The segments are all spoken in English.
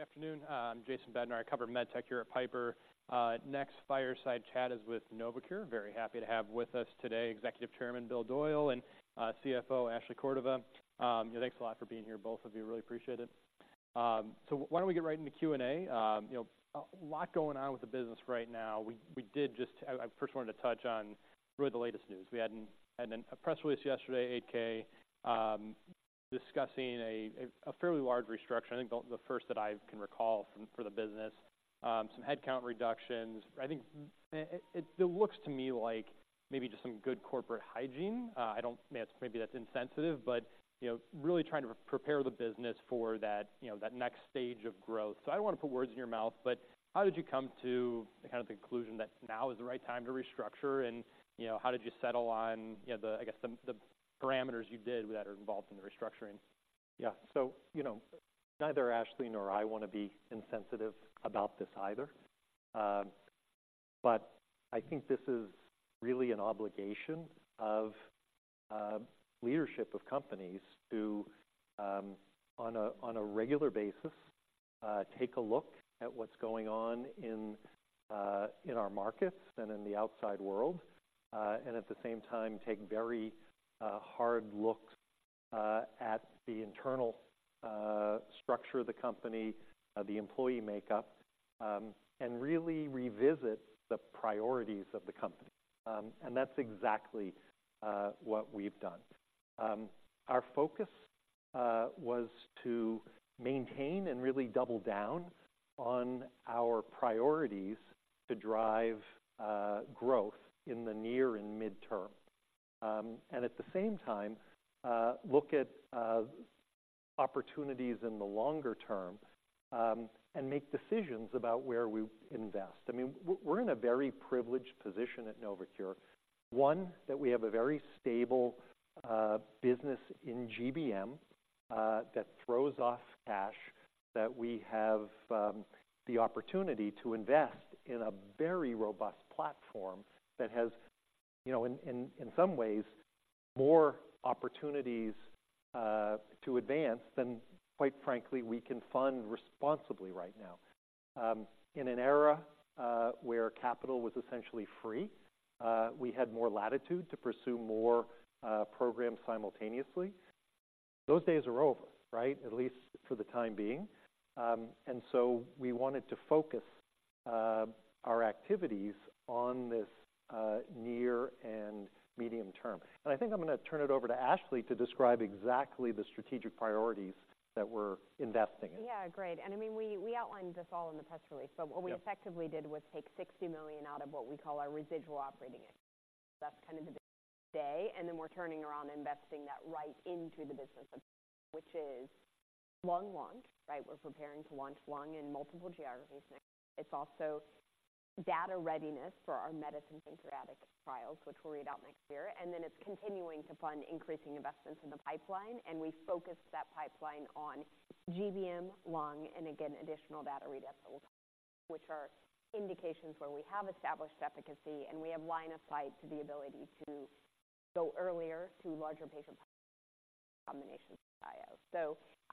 Good afternoon, I'm Jason Bednar. I cover med tech here at Piper. Next fireside chat is with Novocure. Very happy to have with us today, Executive Chairman Bill Doyle, and CFO Ashley Cordova. Thanks a lot for being here, both of you. Really appreciate it. So why don't we get right into Q&A? You know, a lot going on with the business right now. We did just. I first wanted to touch on really the latest news. We had a press release yesterday, 8-K, discussing a fairly large restructure. I think the first that I can recall for the business. Some headcount reductions. I think it looks to me like maybe just some good corporate hygiene. I don't... Maybe that's insensitive, but, you know, really trying to prepare the business for that, you know, that next stage of growth. So I don't want to put words in your mouth, but how did you come to the kind of conclusion that now is the right time to restructure? And, you know, how did you settle on, you know, the, I guess, the parameters you did that are involved in the restructuring? Yeah. So, you know, neither Ashley nor I want to be insensitive about this either. But I think this is really an obligation of leadership of companies to, on a regular basis, take a look at what's going on in our markets and in the outside world. And at the same time, take very hard looks at the internal structure of the company, the employee makeup, and really revisit the priorities of the company. And that's exactly what we've done. Our focus was to maintain and really double down on our priorities to drive growth in the near and mid-term. And at the same time, look at opportunities in the longer term, and make decisions about where we invest. I mean, we're in a very privileged position at Novocure. One, that we have a very stable business in GBM that throws off cash, that we have the opportunity to invest in a very robust platform that has, you know, in some ways, more opportunities to advance than, quite frankly, we can fund responsibly right now. In an era where capital was essentially free, we had more latitude to pursue more programs simultaneously. Those days are over, right? At least for the time being. And so we wanted to focus our activities on this near and medium term. And I think I'm going to turn it over to Ashley to describe exactly the strategic priorities that we're investing in. Yeah, great. And I mean, we outlined this all in the press release, but- Yeah. What we effectively did was take $60 million out of what we call our residual operating income. That's kind of the day, and then we're turning around and investing that right into the business, which is lung launch, right? We're preparing to launch lung in multiple geographies. It's also data readiness for our metastatic pancreatic trials, which we'll read out next year. And then it's continuing to fund increasing investments in the pipeline, and we focus that pipeline on GBM, lung, and again, additional data readouts, which are indications where we have established efficacy, and we have line of sight to the ability to go earlier to larger patient combination IO. So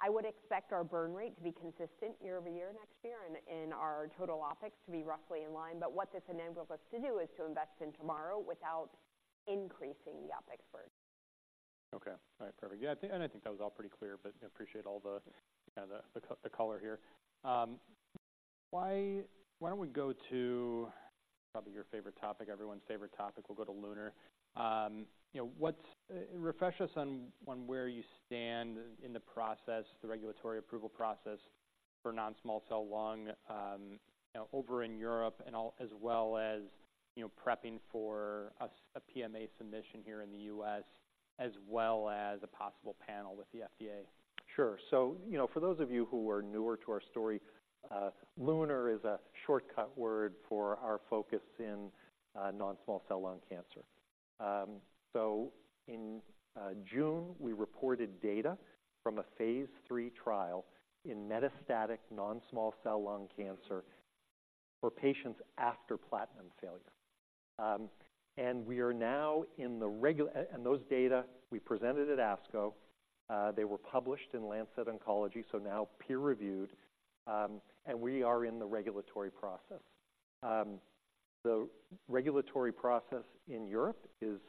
I would expect our burn rate to be consistent year-over-year, next year, and our total OpEx to be roughly in line. What this enables us to do is to invest in tomorrow without increasing the OpEx burn. Okay. All right. Perfect. Yeah, and I think that was all pretty clear, but I appreciate all the, the color here. Why don't we go to probably your favorite topic, everyone's favorite topic, we'll go to LUNAR. You know, what's... Refresh us on where you stand in the process, the regulatory approval process for non-small cell lung, you know, over in Europe and all, as well as, you know, prepping for a PMA submission here in the U.S., as well as a possible panel with the FDA. Sure. So, you know, for those of you who are newer to our story, LUNAR is a shortcut word for our focus in non-small cell lung cancer. So in June, we reported data from a Phase III trial in metastatic non-small cell lung cancer for patients after platinum failure. And those data we presented at ASCO, they were published in Lancet Oncology, so now peer-reviewed, and we are in the regulatory process. The regulatory process in Europe is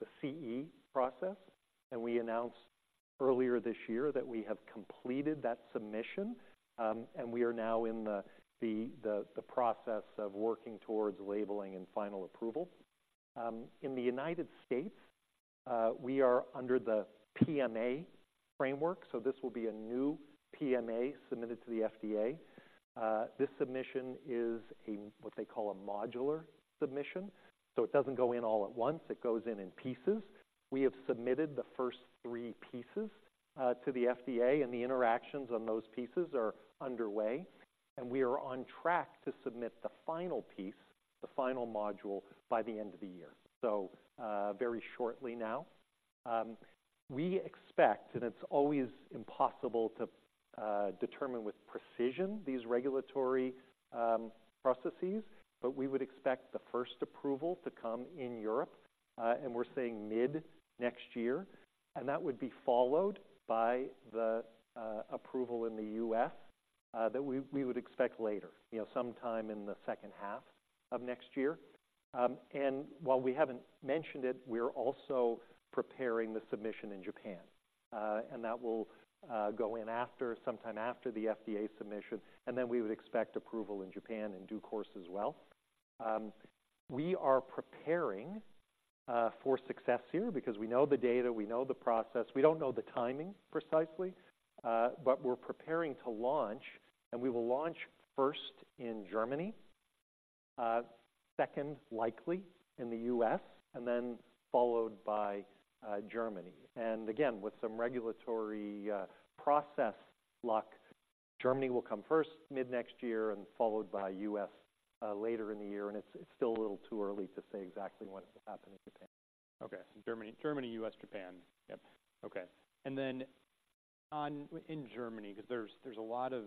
the CE process, and we announced earlier this year that we have completed that submission, and we are now in the process of working towards labeling and final approval. In the United States, we are under the PMA framework, so this will be a new PMA submitted to the FDA. This submission is a what they call a modular submission, so it doesn't go in all at once, it goes in pieces. We have submitted the first three pieces to the FDA, and the interactions on those pieces are underway, and we are on track to submit the final piece, the final module by the end of the year. So, very shortly now. We expect, and it's always impossible to determine with precision these regulatory processes, but we would expect the first approval to come in Europe, and we're saying mid-next year, and that would be followed by the approval in the U.S. that we would expect later, you know, sometime in the second half of next year. And while we haven't mentioned it, we're also preparing the submission in Japan. And that will go in after, sometime after the FDA submission, and then we would expect approval in Japan in due course as well. We are preparing for success here because we know the data, we know the process. We don't know the timing precisely, but we're preparing to launch, and we will launch first in Germany, second, likely, in the U.S., and then followed by Germany. And again, with some regulatory process luck, Germany will come first mid-next year and followed by U.S. later in the year, and it's still a little too early to say exactly when it will happen in Japan. Okay. Germany, Germany, US, Japan. Yep. Okay. And then on... In Germany, 'cause there's, there's a lot of,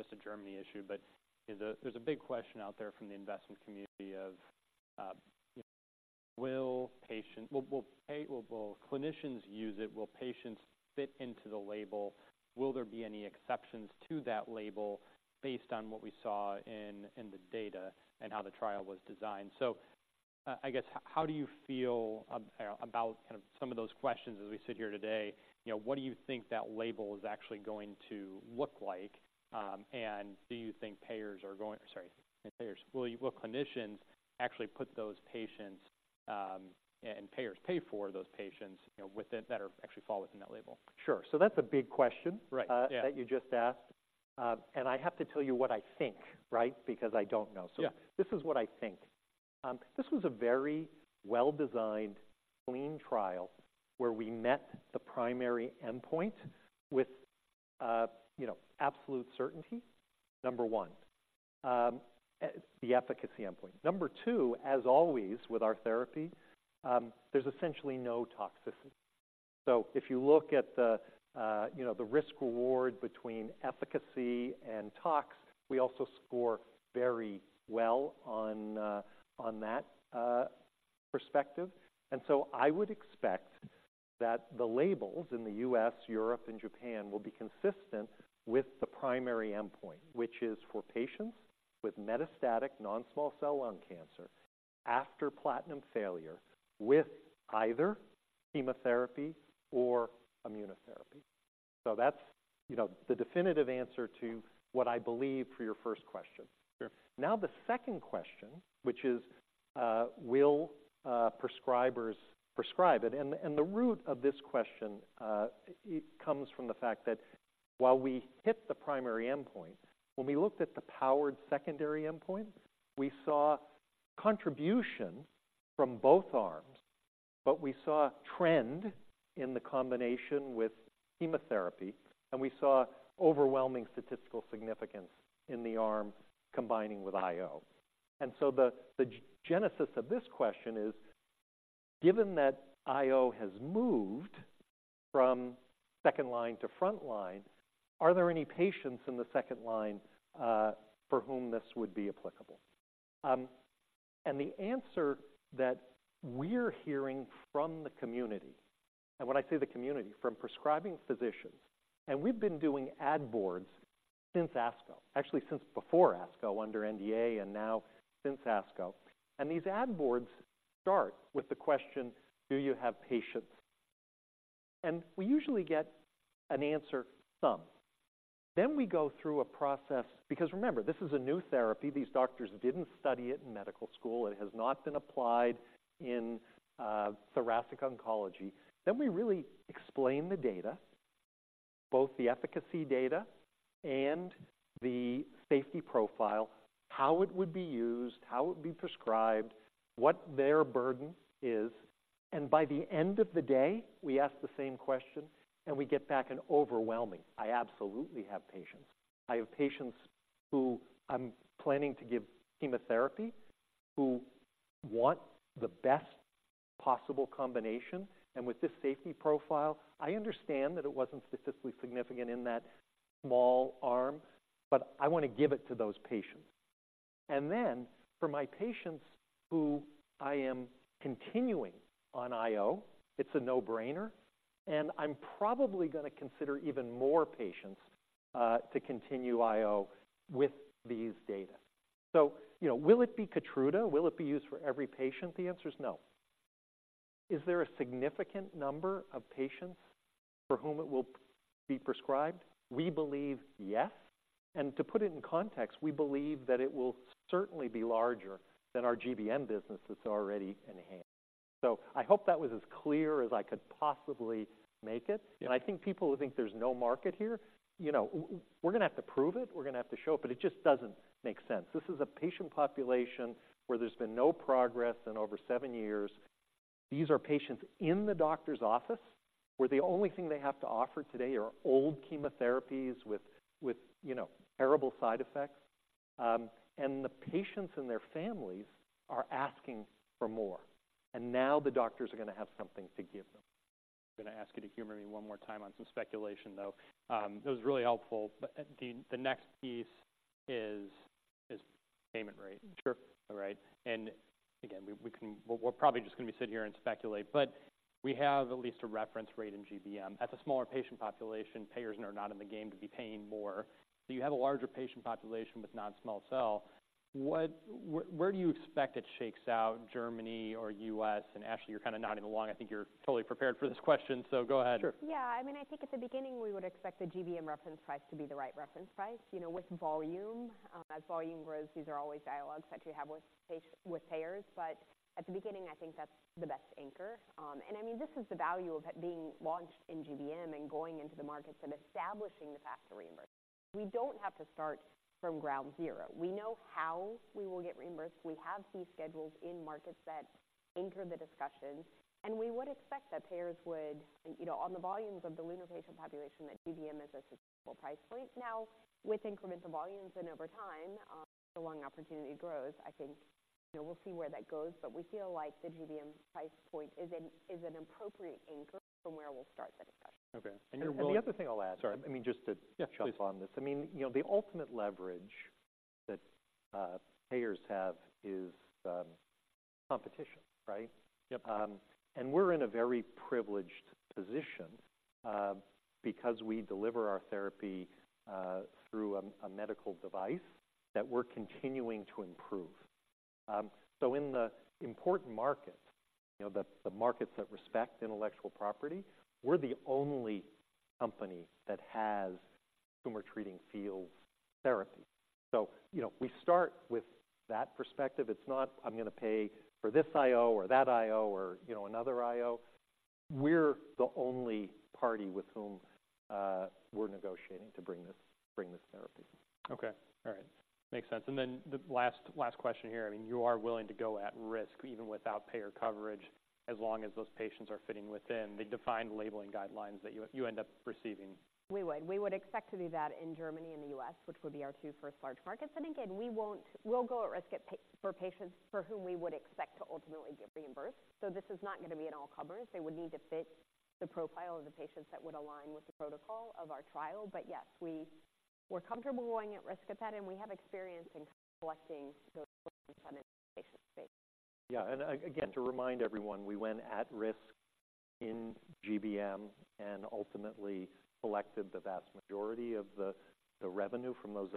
just a Germany issue, but there's a big question out there from the investment community of, will clinicians use it? Will patients fit into the label? Will there be any exceptions to that label based on what we saw in the data and how the trial was designed? So, I guess, how do you feel about kind of some of those questions as we sit here today? You know, what do you think that label is actually going to look like? And do you think payers are going... Sorry, payers. Will clinicians actually put those patients and payers pay for those patients, you know, within that are actually fall within that label? Sure. So that's a big question... Right. Yeah. ...that you just asked. I have to tell you what I think, right? Because I don't know. Yeah. So this is what I think. This was a very well-designed, clean trial where we met the primary endpoint with, you know, absolute certainty, number one, the efficacy endpoint. Number two, as always, with our therapy, there's essentially no toxicity. So if you look at the, you know, the risk-reward between efficacy and tox, we also score very well on, on that perspective. And so I would expect that the labels in the U.S., Europe, and Japan will be consistent with the primary endpoint, which is for patients with metastatic non-small cell lung cancer after platinum failure with either chemotherapy or immunotherapy. So that's, you know, the definitive answer to what I believe for your first question. Sure. Now, the second question, which is, will prescribers prescribe it? And, and the root of this question, it comes from the fact that while we hit the primary endpoint, when we looked at the powered secondary endpoint, we saw contribution from both arms, but we saw a trend in the combination with chemotherapy, and we saw overwhelming statistical significance in the arm combining with IO. And so the genesis of this question is, given that IO has moved from second line to front line, are there any patients in the second line, for whom this would be applicable? And the answer that we're hearing from the community, and when I say the community, from prescribing physicians, and we've been doing ad boards since ASCO, actually since before ASCO, under NDA and now since ASCO. These ad boards start with the question: Do you have patients? And we usually get an answer, "Some." Then we go through a process... Because remember, this is a new therapy. These doctors didn't study it in medical school. It has not been applied in thoracic oncology. Then we really explain the data, both the efficacy data and the safety profile, how it would be used, how it would be prescribed, what their burden is, and by the end of the day, we ask the same question, and we get back an overwhelming, "I absolutely have patients. I have patients who I'm planning to give chemotherapy, who want the best possible combination, and with this safety profile, I understand that it wasn't statistically significant in that small arm, but I want to give it to those patients. And then for my patients who I am continuing on IO, it's a no-brainer, and I'm probably gonna consider even more patients, to continue IO with these data." So, you know, will it be Keytruda? Will it be used for every patient? The answer is no. Is there a significant number of patients for whom it will be prescribed? We believe yes. And to put it in context, we believe that it will certainly be larger than our GBM business that's already in hand. So I hope that was as clear as I could possibly make it. And I think people who think there's no market here, you know, we're gonna have to prove it. We're gonna have to show it, but it just doesn't make sense. This is a patient population where there's been no progress in over seven years. These are patients in the doctor's office, where the only thing they have to offer today are old chemotherapies with you know, terrible side effects. And the patients and their families are asking for more, and now the doctors are gonna have something to give them. I'm gonna ask you to humor me one more time on some speculation, though. It was really helpful. But the next piece is payment rate. Sure. All right. And again, we can, we're probably just going to be sitting here and speculate, but we have at least a reference rate in GBM. That's a smaller patient population. Payers are not in the game to be paying more. So you have a larger patient population with non-small cell. Where do you expect it shakes out, Germany or U.S.? And Ashley, you're kind of nodding along. I think you're totally prepared for this question, so go ahead. Sure. Yeah. I mean, I think at the beginning, we would expect the GBM reference price to be the right reference price. You know, with volume, as volume grows, these are always dialogues that you have with payers. But at the beginning, I think that's the best anchor. And I mean, this is the value of it being launched in GBM and going into the markets and establishing the path to reimbursement. We don't have to start from ground zero. We know how we will get reimbursed. We have fee schedules in markets that anchor the discussions, and we would expect that payers would, you know, on the volumes of the LUNAR patient population, that GBM is a sustainable price point. Now, with incremental volumes and over time, the lung opportunity grows, I think, you know, we'll see where that goes. But we feel like the GBM price point is an appropriate anchor from where we'll start the discussion. Okay, and you're willing... And the other thing I'll add. Sorry. I mean, just to... Yeah, please ...jump on this. I mean, you know, the ultimate leverage that payers have is competition, right? Yep. We're in a very privileged position, because we deliver our therapy through a medical device that we're continuing to improve. So in the important markets, you know, the markets that respect intellectual property, we're the only company that has Tumor Treating Fields therapy. So, you know, we start with that perspective. It's not, I'm going to pay for this IO or that IO or, you know, another IO. We're the only party with whom we're negotiating to bring this, bring this therapy. Okay. All right. Makes sense. And then the last, last question here. I mean, you are willing to go at risk even without payer coverage, as long as those patients are fitting within the defined labeling guidelines that you, you end up receiving? We would expect to do that in Germany and the U.S., which would be our two first large markets. Again, we won't, we'll go at risk for patients for whom we would expect to ultimately get reimbursed. So this is not going to be an all-comers. They would need to fit the profile of the patients that would align with the protocol of our trial. But yes, we're comfortable going at risk with that, and we have experience in collecting those on a patient basis. Yeah. And again, to remind everyone, we went at risk in GBM and ultimately collected the vast majority of the revenue from those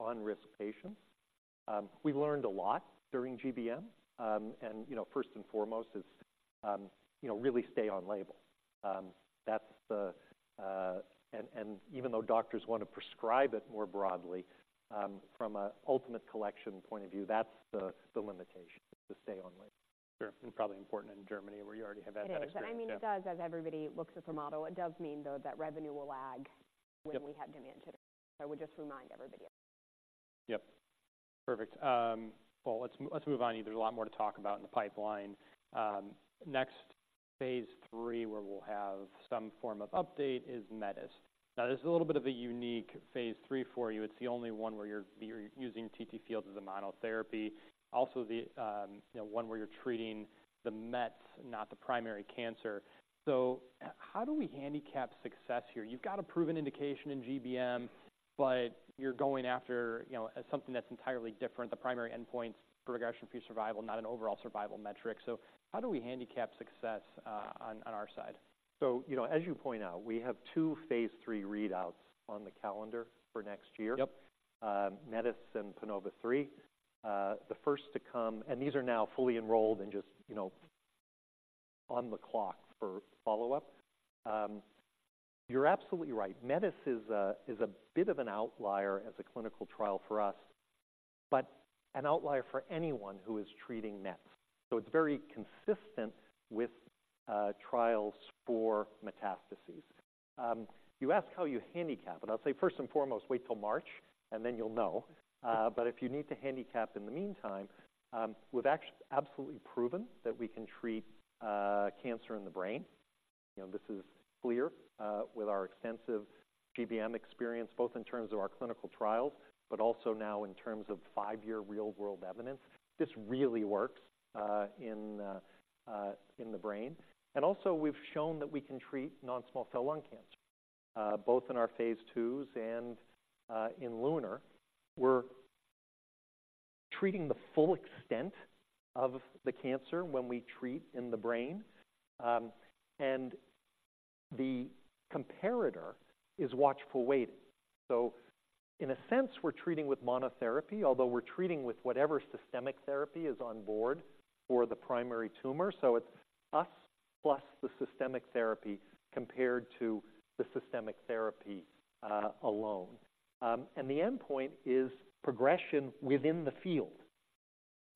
on-risk patients. We learned a lot during GBM. And, you know, first and foremost is, you know, really stay on label. That's the... And even though doctors want to prescribe it more broadly, from an ultimate collection point of view, that's the limitation, to stay on label. Sure, and probably important in Germany, where you already have had that experience. It is. I mean, it does, as everybody looks at the model, it does mean, though, that revenue will lag... Yep ...when we have demand today. So I would just remind everybody of that. Yep. Perfect. Well, let's, let's move on. There's a lot more to talk about in the pipeline. Next, Phase III, where we'll have some form of update is METIS. Now, this is a little bit of a unique Phase III for you. It's the only one where you're, you're using TTFields as a monotherapy. Also, the, you know, one where you're treating the mets, not the primary cancer. So how do we handicap success here? You've got a proven indication in GBM, but you're going after, you know, something that's entirely different. The primary endpoint, progression-free survival, not an overall survival metric. So how do we handicap success on our side? So, you know, as you point out, we have two Phase III readouts on the calendar for next year. Yep. METIS and PANOVA-3, the first to come. These are now fully enrolled and just, you know, on the clock for follow-up. You're absolutely right. METIS is a bit of an outlier as a clinical trial for us, but an outlier for anyone who is treating mets. So it's very consistent with trials for metastases. You ask how you handicap, and I'll say, first and foremost, wait till March, and then you'll know. But if you need to handicap in the meantime, we've actually absolutely proven that we can treat cancer in the brain. You know, this is clear with our extensive GBM experience, both in terms of our clinical trials, but also now in terms of five-year real-world evidence. This really works in the brain. Also we've shown that we can treat non-small cell lung cancer both in our phase IIs and in LUNAR. We're treating the full extent of the cancer when we treat in the brain, and the comparator is watchful waiting. So in a sense, we're treating with monotherapy, although we're treating with whatever systemic therapy is on board for the primary tumor. So it's us, plus the systemic therapy, compared to the systemic therapy alone. And the endpoint is progression within the field.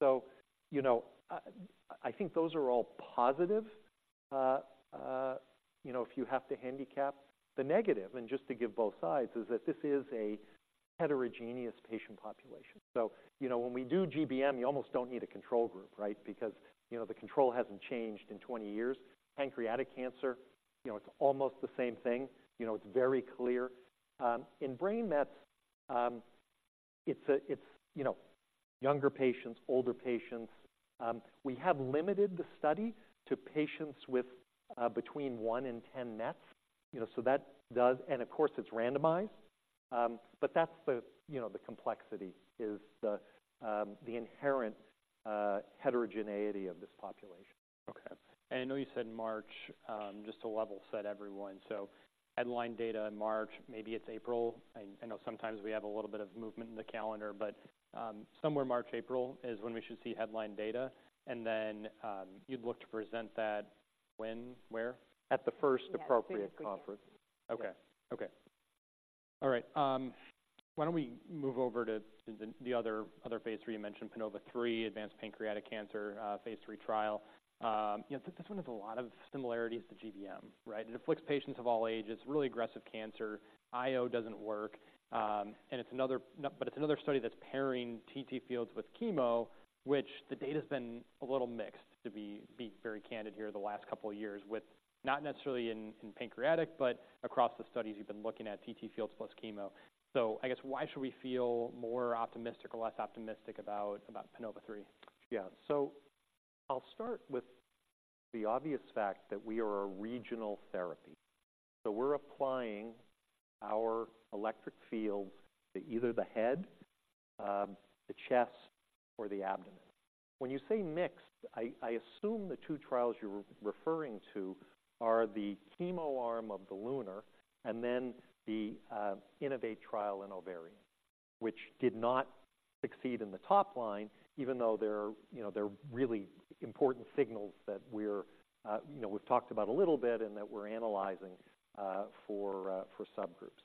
So, you know, I think those are all positive. You know, if you have to handicap the negative, and just to give both sides, is that this is a heterogeneous patient population. So, you know, when we do GBM, you almost don't need a control group, right? Because, you know, the control hasn't changed in 20 years. Pancreatic cancer, you know, it's almost the same thing. You know, it's very clear. In brain mets, it's younger patients, older patients. We have limited the study to patients with between one and 10 mets. You know, so that does, and of course, it's randomized. But that's the complexity, the inherent heterogeneity of this population. Okay. And I know you said March, just to level set everyone. So headline data in March, maybe it's April. I know sometimes we have a little bit of movement in the calendar, but, somewhere March, April is when we should see headline data, and then, you'd look to present that when, where? At the first appropriate conference. Yes. Okay. All right, why don't we move over to the other phase III. You mentioned PANOVA-3, advanced pancreatic cancer, phase III trial. You know, this one has a lot of similarities to GBM, right? It afflicts patients of all ages, really aggressive cancer. IO doesn't work, and it's another, but it's another study that's pairing TTFields with chemo, which the data's been a little mixed, to be very candid here, the last couple of years, with not necessarily in pancreatic, but across the studies you've been looking at TTFields plus chemo. So I guess, why should we feel more optimistic or less optimistic about PANOVA-3? Yeah. So I'll start with the obvious fact that we are a regional therapy, so we're applying our electric field to either the head, the chest, or the abdomen. When you say mixed, I assume the two trials you're referring to are the chemo arm of the LUNAR and then the INNOVATE trial in ovarian, which did not succeed in the top line, even though there are, you know, there are really important signals that we're, you know, we've talked about a little bit and that we're analyzing for subgroups.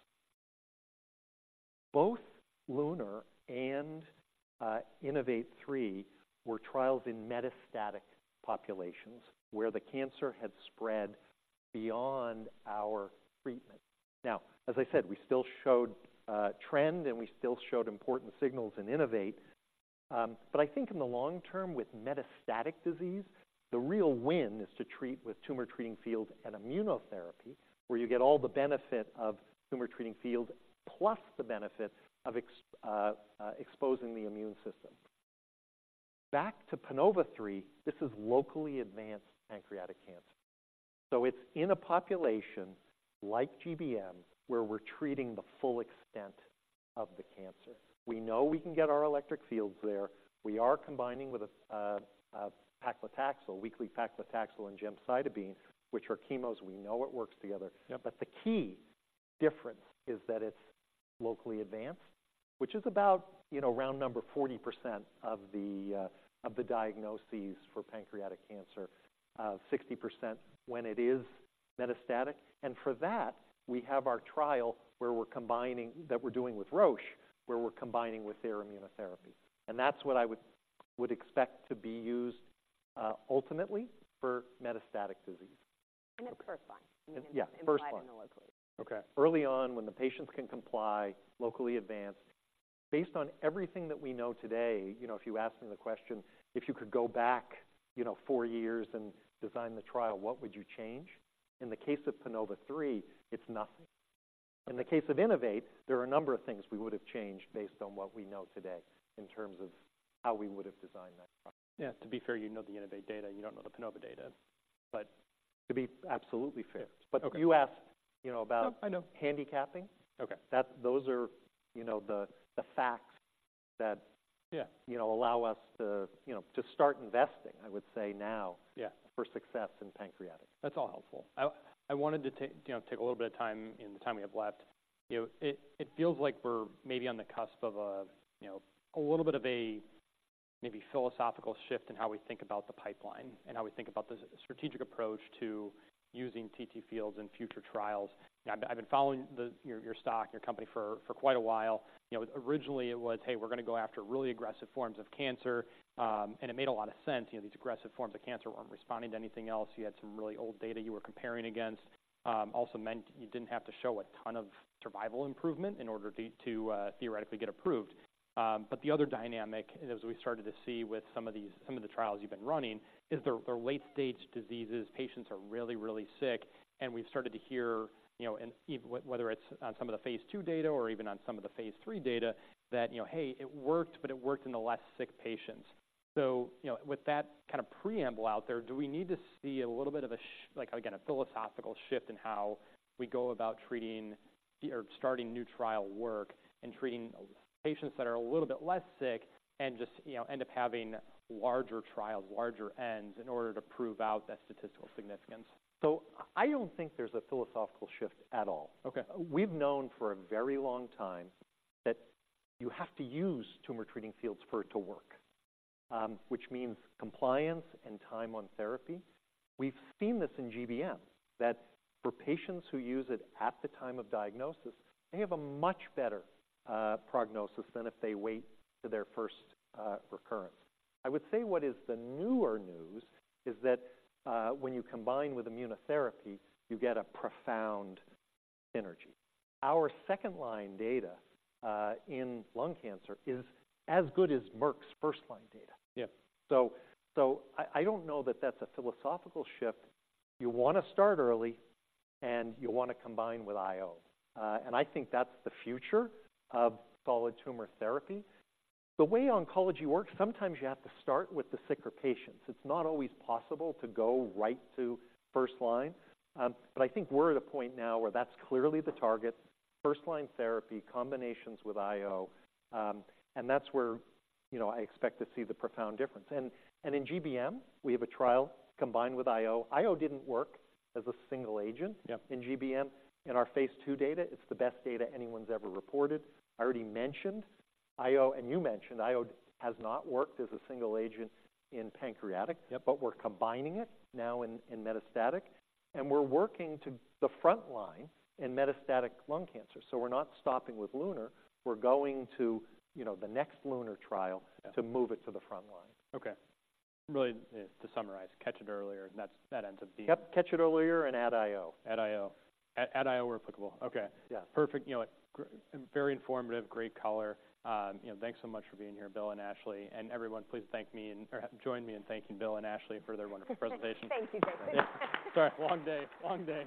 Both LUNAR and INNOVATE-3 were trials in metastatic populations where the cancer had spread beyond our treatment. Now, as I said, we still showed a trend, and we still showed important signals in INNOVATE. But I think in the long term, with metastatic disease, the real win is to treat with Tumor Treating Fields and immunotherapy, where you get all the benefit of Tumor Treating Fields, plus the benefit of exposing the immune system. Back to PANOVA-3, this is locally advanced pancreatic cancer, so it's in a population like GBM, where we're treating the full extent of the cancer. We know we can get our electric fields there. We are combining with a weekly paclitaxel and gemcitabine, which are chemos. We know it works together. Yeah. But the key difference is that it's locally advanced, which is about, you know, round number 40% of the of the diagnoses for pancreatic cancer, 60% when it is metastatic. And for that, we have our trial where we're combining - that we're doing with Roche, where we're combining with their immunotherapy. And that's what I would expect to be used, ultimately for metastatic disease. It's first line. Yeah, first line. In the locally. Okay. Early on, when the patients can comply, locally advanced. Based on everything that we know today, you know, if you asked me the question, "If you could go back, you know, four years and design the trial, what would you change?" In the case of PANOVA-3, it's nothing. In the case of INNOVATE, there are a number of things we would have changed based on what we know today in terms of how we would have designed that trial. Yeah, to be fair, you know the INNOVATE data, you don't know the PANOVA data, but... To be absolutely fair. Okay. But you asked, you know, about... No, I know. ...handicapping. Okay. Those are, you know, the facts that... Yeah ...you know, allow us to, you know, to start investing, I would say now. Yeah For success in pancreatic. That's all helpful. I wanted to take, you know, take a little bit of time in the time we have left. You know, it feels like we're maybe on the cusp of a, you know, a little bit of a maybe philosophical shift in how we think about the pipeline and how we think about the strategic approach to using TTFields in future trials. I've been following your stock, your company for quite a while. You know, originally it was, "Hey, we're going to go after really aggressive forms of cancer," and it made a lot of sense. You know, these aggressive forms of cancer weren't responding to anything else. You had some really old data you were comparing against. Also meant you didn't have to show a ton of survival improvement in order to theoretically get approved. But the other dynamic, as we started to see with some of these, some of the trials you've been running, is they're late-stage diseases. Patients are really, really sick, and we've started to hear, you know, whether it's on some of the phase II data or even on some of the phase III data, that, you know, "Hey, it worked, but it worked in the less sick patients." So, you know, with that kind of preamble out there, do we need to see a little bit of a shift like, again, a philosophical shift in how we go about treating or starting new trial work and treating patients that are a little bit less sick and just, you know, end up having larger trials, larger ends, in order to prove out that statistical significance? I don't think there's a philosophical shift at all. Okay. We've known for a very long time that you have to use Tumor Treating Fields for it to work, which means compliance and time on therapy. We've seen this in GBM, that for patients who use it at the time of diagnosis, they have a much better prognosis than if they wait to their first recurrence. I would say what is the newer news is that, when you combine with immunotherapy, you get a profound synergy. Our second-line data in lung cancer is as good as Merck's first-line data. Yeah. I don't know that that's a philosophical shift. You want to start early, and you want to combine with IO. And I think that's the future of solid tumor therapy. The way oncology works, sometimes you have to start with the sicker patients. It's not always possible to go right to first line, but I think we're at a point now where that's clearly the target: first-line therapy, combinations with IO, and that's where, you know, I expect to see the profound difference. And in GBM, we have a trial combined with IO. IO didn't work as a single agent... Yeah ...in GBM. In our phase II data, it's the best data anyone's ever reported. I already mentioned IO, and you mentioned IO has not worked as a single agent in pancreatic... Yeah ...but we're combining it now in metastatic, and we're working to the front line in metastatic lung cancer. So we're not stopping with LUNAR. We're going to, you know, the next LUNAR trial... Yeah to move it to the front line. Okay. Really, to summarize, catch it earlier, and that's, that ends up being... Yep, catch it earlier and add IO. Add IO. Add, add IO where applicable. Okay. Yeah. Perfect. You know, great, very informative, great color. You know, thanks so much for being here, Bill and Ashley. And everyone, please thank me, and, or join me in thanking Bill and Ashley for their wonderful presentation. Thank you, Jason. Sorry. Long day.